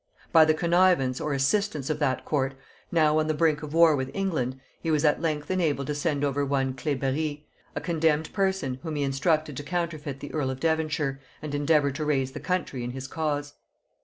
By the connivance or assistance of that court, now on the brink of war with England, he was at length enabled to send over one Cleberry, a condemned person, whom he instructed to counterfeit the earl of Devonshire, and endeavour to raise the country in his cause.